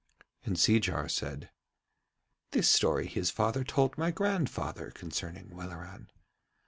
And Seejar said: 'This story his father told my grandfather concerning Welleran.